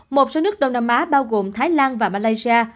một số nước đông nam á bao gồm thái lan và malaysia